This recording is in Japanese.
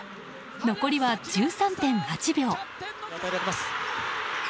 残りは、１３．８秒。